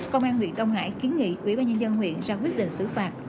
công an huyện đông hải kiến nghị quỹ ba nhân dân huyện ra quyết định xử phạt